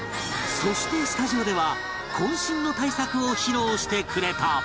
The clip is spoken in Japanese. そしてスタジオでは渾身の大作を披露してくれた